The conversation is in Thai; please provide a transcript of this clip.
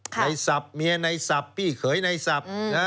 ในศัพท์เมียในศัพท์พี่เขยในศัพท์